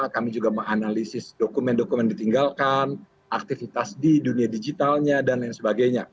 kami juga menganalisis dokumen dokumen ditinggalkan aktivitas di dunia digitalnya dan lain sebagainya